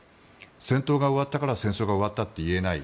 戦闘が終わったから戦争が終わったといえない。